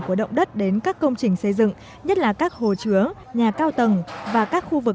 của động đất đến các công trình xây dựng nhất là các hồ chứa nhà cao tầng và các khu vực